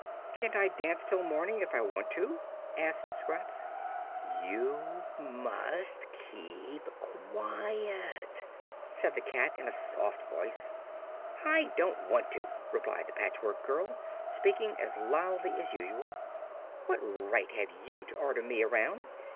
"Can't I dance till morning, if I want to?" asked Scraps. "You must keep quiet," said the cat, in a soft voice. "I don't want to," replied the Patchwork Girl, speaking as loudly as usual. "What right have you to order me around?